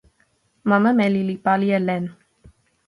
mama meli li pali e len.